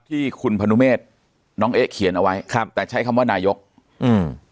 ที่คุณพนุเมษน้องเอ๊ะเขียนเอาไว้ครับแต่ใช้คำว่านายกอืม